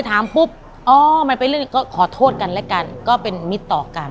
ถามปุ๊บอ๋อมันเป็นเรื่องก็ขอโทษกันและกันก็เป็นมิตรต่อกัน